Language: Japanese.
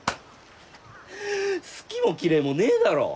好きも嫌いもねえだろ。